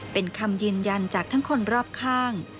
เป็นคำยืนยันจากทั้งคนรอบข้าง